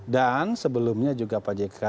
dan sebelumnya juga pak jk